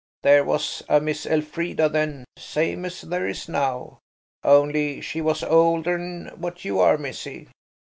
There was a Miss Elfrida then, same as there is now, only she was older'n what you are missy.